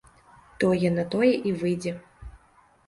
Тое на тое і выйдзе.